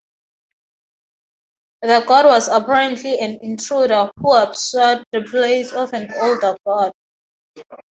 The god was apparently an intruder who usurped the place of an older god.